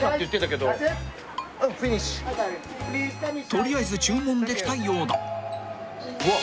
［取りあえず注文できたようだ］うわ。